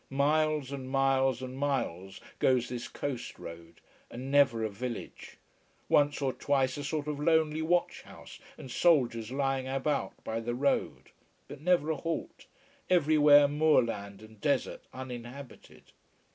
Miles and miles and miles goes this coast road, and never a village. Once or twice a sort of lonely watch house and soldiers lying about by the road. But never a halt. Everywhere moorland and desert, uninhabited.